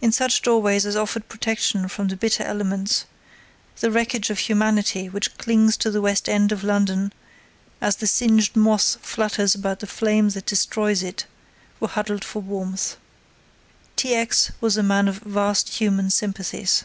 In such doorways as offered protection from the bitter elements the wreckage of humanity which clings to the West end of London, as the singed moth flutters about the flame that destroys it, were huddled for warmth. T. X. was a man of vast human sympathies.